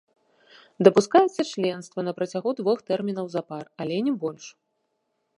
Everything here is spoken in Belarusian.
Дапускаецца членства на працягу двух тэрмінаў запар, але не больш.